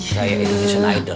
saya indonesian idol